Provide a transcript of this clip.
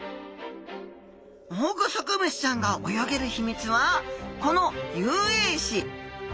オオグソクムシちゃんが泳げる秘密はこの遊泳肢。